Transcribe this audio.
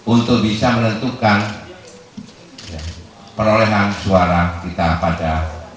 untuk bisa menentukan perolehan suara kita pada